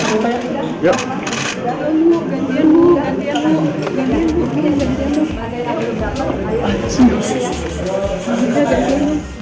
udah jauh pergi